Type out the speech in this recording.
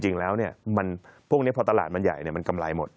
จริงแล้วพวกนี้พอตลาดมันใหญ่มันกำไรหมด